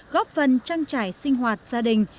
góp phần trang trải sinh hoạt gia đình